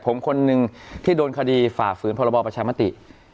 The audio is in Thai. ผมคนหนึ่งที่โดนคดีฝ่าฝืนพรบประชามติ